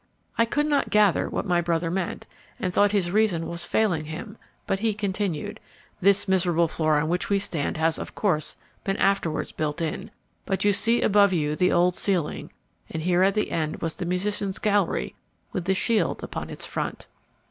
I could not gather what my brother meant, and thought his reason was failing him; but he continued, "This miserable floor on which we stand has of course been afterwards built in; but you see above you the old ceiling, and here at the end was the musicians' gallery with the shield upon its front."